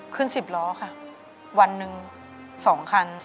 ขึ้น๑๐ล้อค่ะวันหนึ่ง๒คัน